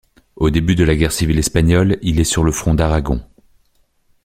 Au début de la guerre civile espagnole, il est sur le front d'Aragon.